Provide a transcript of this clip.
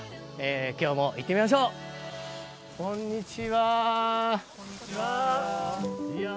今日も行ってみましょうこんにちはーこんにちはー